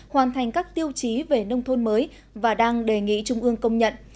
hoàn thành các tiêu chí về nông thôn mới và đang đề nghị trung ương công nhận